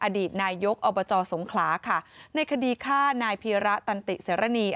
อดีตนายยกอบัจจอสงคราค่ะในคดีฆ่านายเพียระตันติเสร่านี